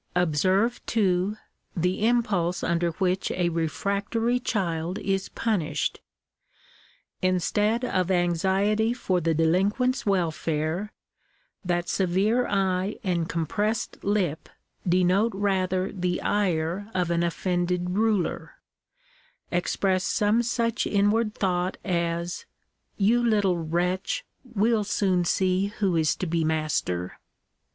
Observe, too, the impulse Digitized by VjOOQIC 190 THE RIGHTS OF CHILDREN. under which a refractory child is punished. Instead of anxiety for the delinquent's welfare, that severe eye and compressed lip denote rather the ire of an offended ruler — express some such inward thought as " Tou little wretch, we '11 soon see who is to be master."